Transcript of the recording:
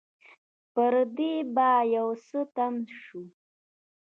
پر دې به يو څه تم شو.